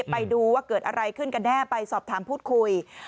ไปดูว่าเกิดอะไรขึ้นกันแน่ไปสอบถามพูดคุย